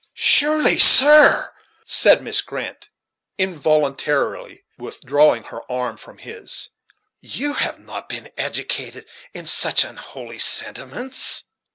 "Surely, sir," said Miss Grant, involuntarily withdrawing her arm from his, "you have not been educated with such unholy sentiments?"